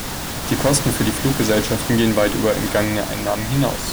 Die Kosten für die Fluggesellschaften gehen weit über entgangene Einnahmen hinaus.